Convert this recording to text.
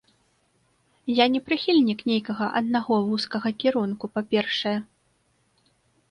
Я не прыхільнік нейкага аднаго вузкага кірунку, па-першае.